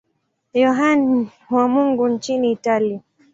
Yohane wa Mungu nchini Italia.